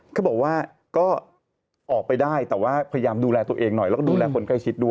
เขาบอกว่าก็ออกไปได้แต่ว่าพยายามดูแลตัวเองหน่อยแล้วก็ดูแลคนใกล้ชิดด้วย